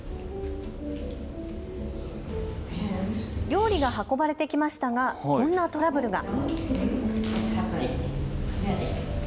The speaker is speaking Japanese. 料理が運ばれてきましたがこんなトラブルが。